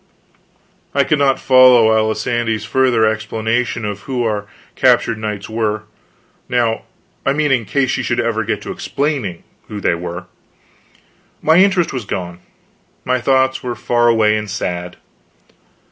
I could not follow Alisande's further explanation of who our captured knights were, now I mean in case she should ever get to explaining who they were. My interest was gone, my thoughts were far away, and sad.